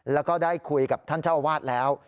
แล้วก็ได้คุยกับท่านเจ้าอาวาสแล้ว